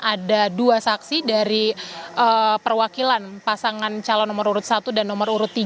ada dua saksi dari perwakilan pasangan calon nomor urut satu dan nomor urut tiga